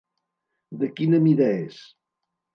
De quina mida és?